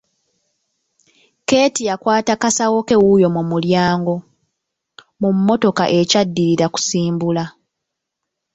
Keeti yakwata kasawo ke wuuyo mu mulyango, mu mmotoka ekyaddirira kusimbula.